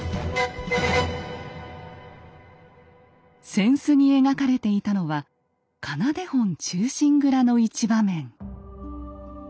扇子に描かれていたのは「仮名手本忠臣蔵」の一場面。